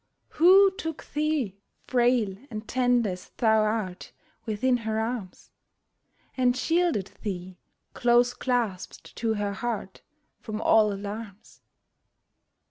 Who took thee, frail and tender as thou art, Within her arms ? And shielded thee, close clasped to her heart. From all alarms